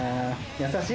優しい？